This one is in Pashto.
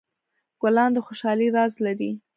ګلان د خوشحالۍ راز لري.